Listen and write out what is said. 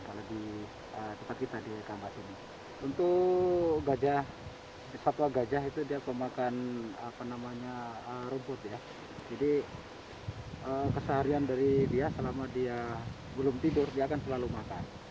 kalau kita di gambar ini untuk gajah satwa gajah itu dia memakan rumput jadi keseharian dari dia selama dia belum tidur dia akan selalu makan